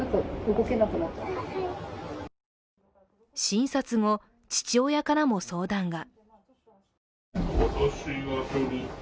診察後、父親からも相談が。